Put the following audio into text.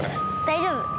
大丈夫。